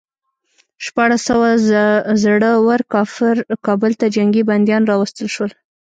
شپاړس سوه زړه ور کافر کابل ته جنګي بندیان راوستل شول.